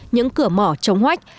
những cửa mỏ trống hoách